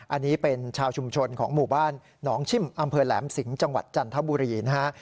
อันนี้เป็นชาวชุมชนของหมู่บ้านหนองชิมอำเภอแหลมสิงห์จังหวัดจันทบุรีนะฮะ